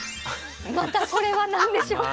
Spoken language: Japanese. またこれは何でしょうか。